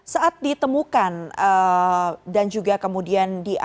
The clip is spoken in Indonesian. saat ditemukan dan juga kemudian dia